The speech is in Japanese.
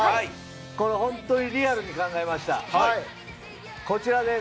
これ、本当にリアルに考えました。